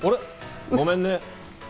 ごめんね？